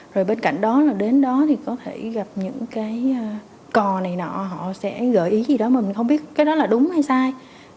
rồi bên cạnh đó là đến đó thì có thể gặp những cái cò này nọ họ sẽ gợi ý gì đó mình không biết cái đó là đúng hay sai